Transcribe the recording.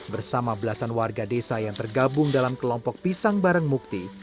bersama belasan warga desa yang tergabung dalam kelompok pisang barang mukti